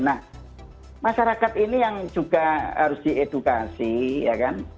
nah masyarakat ini yang juga harus diedukasi ya kan